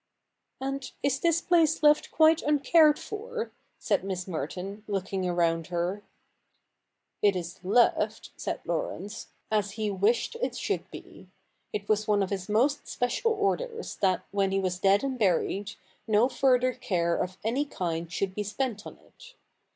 ' And is this place left quite uncared for ?' said Miss Merton, looking around her. * It is left,' said Laurence, ' as he wished it should be. It was one of his most special orders that, when he was dead and buried, no further care of any kind should be spent on it.